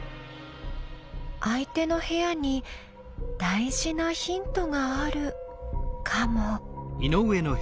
相手の部屋に大事なヒントがあるかも。